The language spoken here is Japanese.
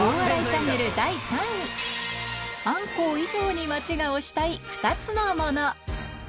大洗チャンネル第３位、アンコウ以上に町が推したい２つのモノ。